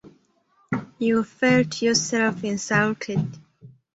You felt yourself insulted.